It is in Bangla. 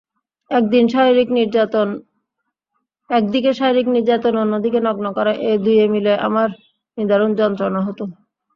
একদিকে শারীরিক নির্যাতন, অন্যদিকে নগ্ন করা—এ দুইয়ে মিলে আমার নিদারুণ যন্ত্রণা হতো।